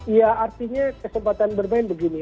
ya artinya kesempatan bermain begini